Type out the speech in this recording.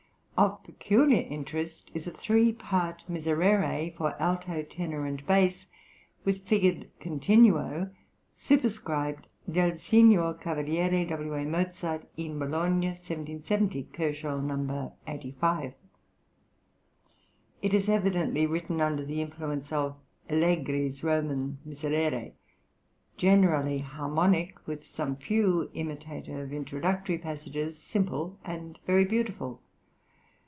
Of peculiar interest is a three part Miserere for alto, tenor, and bass, with figured Continuo, superscribed Del Sigr. Caval. W. A. Mozart, in Bologna, 1770 (85 K.). It is evidently written under the influence of Allegri's Roman Miserere, generally harmonic, with some few imitative introductory passages, simple and very beautiful.